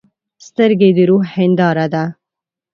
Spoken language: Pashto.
سترګې د روح هنداره ده.